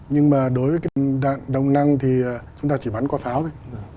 nhưng mà đối với cái đạn đồng năng thì chúng ta chỉ bắn qua pháo thôi